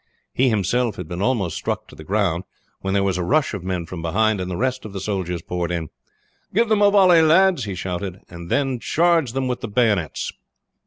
He himself had been almost struck to the ground, when there was a rush of men from behind, and the rest of the soldiers poured in. "Give them a volley, lads!" he shouted; "and then charge them with the bayonets!"